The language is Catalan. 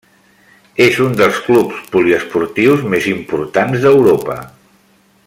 És un dels clubs poliesportius més importants d'Europa.